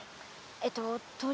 えっと